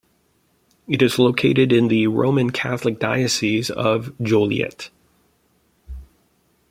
It is located in the Roman Catholic Diocese of Joliet.